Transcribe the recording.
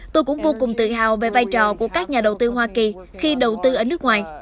tôi cũng vô cùng tự hào về vai trò của các nhà đầu tư hoa kỳ khi đầu tư ở nước ngoài